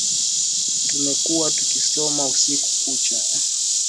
Tumekuwa tukisoma usiku kucha